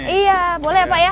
iya boleh pak ya